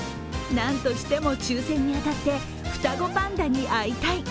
何としても抽選に当たって双子パンダに会いたい。